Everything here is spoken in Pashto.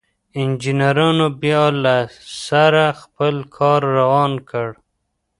انجنيرانو بيا له سره خپل کار روان کړ.